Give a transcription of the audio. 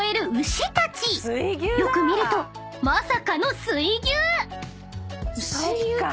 ［よく見るとまさかの水牛！］